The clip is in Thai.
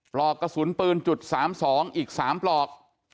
ปลอกกระสุนปืน๓๒อีก๓ปลอก